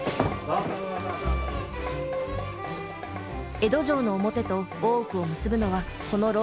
江戸城の表と大奥を結ぶのはこの廊下のみ。